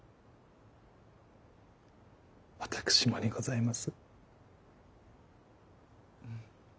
私もにございます。